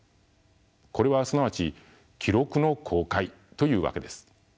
これはすなわち記録の公開というわけです。